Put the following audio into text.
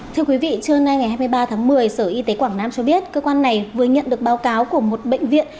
thưa quý vị trưa nay ngày hai mươi ba tháng một mươi sở y tế quảng nam cho biết cơ quan này vừa nhận được báo cáo của một bệnh viện